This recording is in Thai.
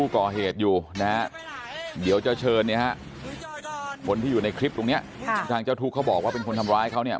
คนที่อยู่ในคลิปตรงนี้ทางเจ้าทูเขาบอกว่าเป็นคนทำร้ายเขาเนี่ย